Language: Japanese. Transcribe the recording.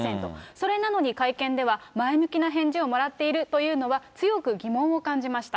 それなのに会見では、前向きな返事をもらっているというのは、強く疑問を感じました。